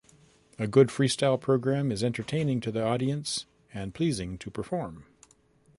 A good freestyle program is entertaining to the audience and pleasing to perform.